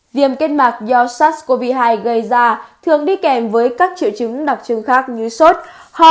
viêm kết mạc do sars cov hai gây ra thường đi kèm với các triệu chứng đặc trưng khác như sốt ho